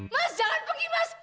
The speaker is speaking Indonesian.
mas jangan pergi mas